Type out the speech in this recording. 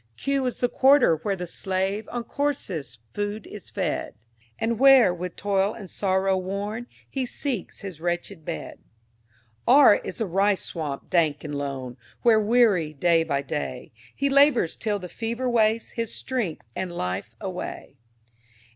Q is the Quarter, where the slave On coarsest food is fed, And where, with toil and sorrow worn, He seeks his wretched bed. R is the "Rice swamp, dank and lone," Where, weary, day by day, He labors till the fever wastes His strength and life away.